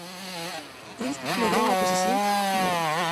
Christ logró la posición Nro.